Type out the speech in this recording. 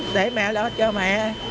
để mẹ lo cho mẹ